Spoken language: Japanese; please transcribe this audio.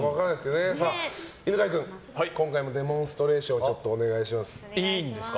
犬飼君、今回もデモンストレーションをいいんですか？